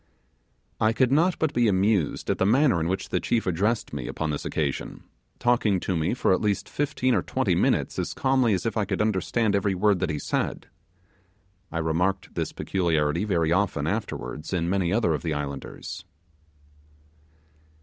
I could not but be amused at the manner in which the chief addressed me upon this occasion, talking to me for at least fifteen or twenty minutes as calmly as if I could understand every word that he said. I remarked this peculiarity very often afterwards in many other of the islanders.